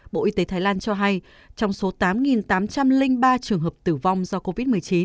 bộ y tế thái lan cho hay trong số tám tám trăm linh ba trường hợp tử vong do covid một mươi chín